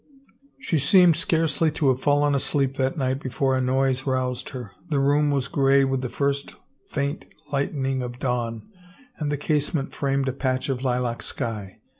She seemed scarcely to have fallen asleep that night before a noise roused her. The room was gray with the first faint lightening of dawn, and the casement framed a patch of lilac sky.